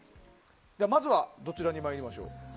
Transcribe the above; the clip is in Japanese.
まずはどちらに参りましょう？